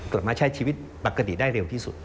กลับมาใช้ชีวิตปกติได้เร็วที่สุด